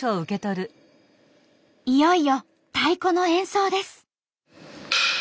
いよいよ太鼓の演奏です。